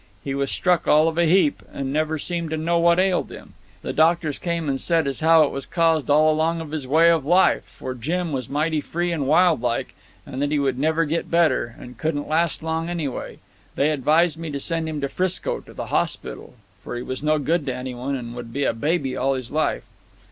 He was struck all of a heap, and never seemed to know what ailed him. The doctors came and said as how it was caused all along of his way of life for Jim was mighty free and wild like and that he would never get better, and couldn't last long anyway. They advised me to send him to Frisco to the hospital, for he was no good to anyone and would be a baby all his life.